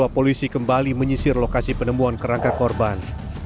polisi kembali menyisir lokasi penemuan kerangka korban